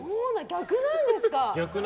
逆なんですか。